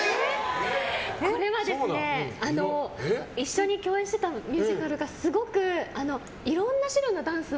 これは一緒に共演していたミュージカルがすごくいろんな種類のダンスを。